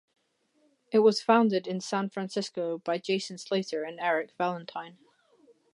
It was founded in San Francisco by Jason Slater and Eric Valentine.